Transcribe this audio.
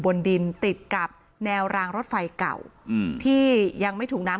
บนดินติดกับแนวรางรถไฟเก่าอืมที่ยังไม่ถูกน้ำ